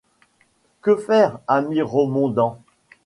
Que faire, ami Ramondens ?